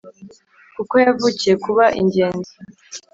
Kuko yavukiye kuba ingenzi